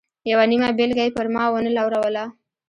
یوه نیمه بېلګه یې پر ما و نه لوروله.